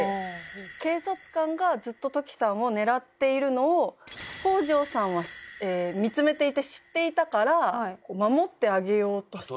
警察官がずっと土岐さんを狙っているのを北条さんは見つめていて知っていたから守ってあげようとして。